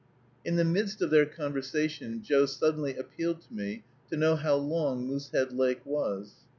In the midst of their conversation, Joe suddenly appealed to me to know how long Moosehead Lake was.